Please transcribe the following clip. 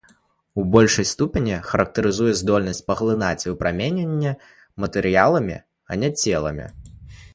У большай ступені характарызуе здольнасць паглынаць выпрамяненне матэрыяламі, а не целамі.